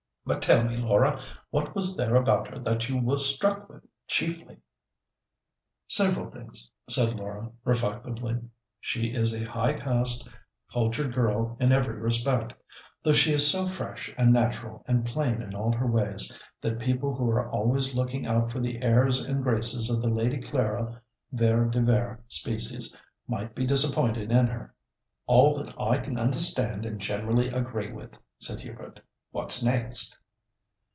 But tell me, Laura, what was there about her that you were struck with chiefly?" "Several things," said Laura, reflectively. "She is a high caste, cultured girl in every respect, though she is so fresh, and natural, and plain in all her ways, that people who are always looking out for the airs and graces of the Lady Clara Vere de Vere species might be disappointed in her." "All that I can understand and generally agree with," said Hubert. "What next?"